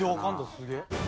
すげえ。